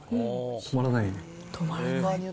止まらない。